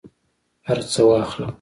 هرڅه واخله